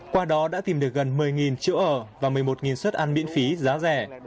qua đó đã tìm được gần một mươi chỗ ở và một mươi một suất ăn miễn phí giá rẻ